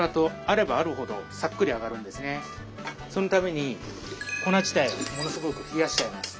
そのために粉自体をものすごく冷やしちゃいます。